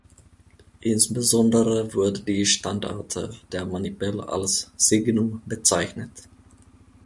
Insbesondere wurde die Standarte der Manipel als "signum" bezeichnet.